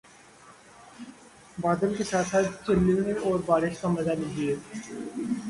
بادل کے ساتھ ساتھ چلیے اور بارش کا مزہ لیجئے